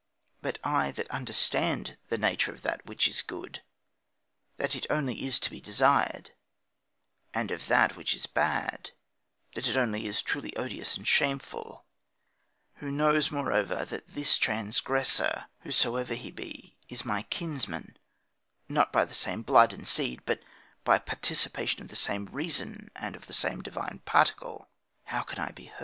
But I that understand the nature of that which is good, that it only is to be desired, and of that which is bad, that it only is truly odious and shameful: who know, moreover, that this transgressor, whosoever he be, is my kinsman, not by the same blood and seed, but by participation of the same reason and of the same divine particle how can I be hurt?...